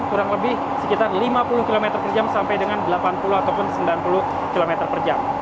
kurang lebih sekitar lima puluh km per jam sampai dengan delapan puluh ataupun sembilan puluh km per jam